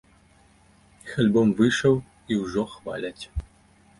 Іх альбом выйшаў, і ўжо хваляць.